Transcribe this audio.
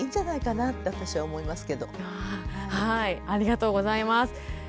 ありがとうございます。